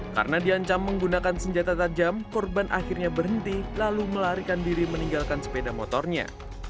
karena diancam menggunakan senjata tajam korban akhirnya berhenti lalu melarikan diri meninggalkan sepeda motornya